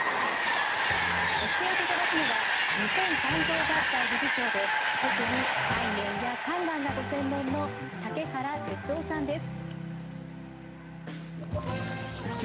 教えていただくのは日本肝臓学会理事長で特に肝炎や肝がんがご専門の竹原徹郎さんです。